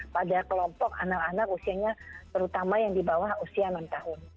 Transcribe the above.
pada kelompok anak anak usianya terutama yang di bawah usia enam tahun